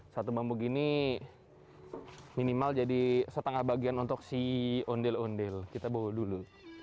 satu bambu gini minimal jadi setengah bagian untuk si ondel ondel kita bawa dulu